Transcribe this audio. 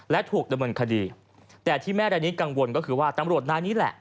และถูกดำเนินคดีแต่ที่แม่รายนี้กังวลก็คือว่าตำรวจนายนี้แหละ